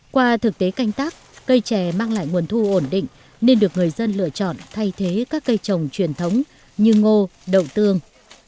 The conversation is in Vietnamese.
qua thực tế canh tác cây trè mang lại nguồn thu ổn định nên được người dân lựa chọn thay thế các cây trồng truyền thống như ngô đậu tương